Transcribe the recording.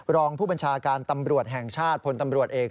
รองผู้บัญชาการตำรวจแห่งชาติพลตำรวจเอก